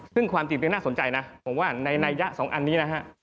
ซึ่งความจริงน่าสนใจนะผมว่าในนัยยะสองอันนี้นะฮะ